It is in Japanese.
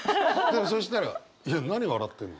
そしたらいや何笑ってんの？